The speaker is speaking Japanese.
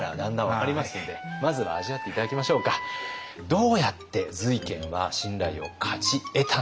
どうやって瑞賢は信頼を勝ち得たのか。